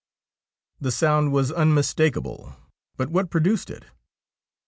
The sound was unmistakable, but what pro duced it